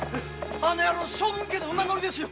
あいつは将軍家の馬乗りですよ。